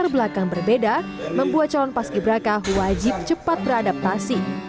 di belakang berbeda membuat calon paski braka wajib cepat beradaptasi